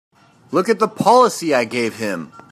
Look at the policy I gave him!